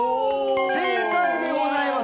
正解でございます